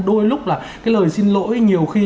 đôi lúc là cái lời xin lỗi nhiều khi